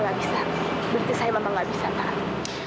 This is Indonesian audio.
berarti saya memang gak bisa pak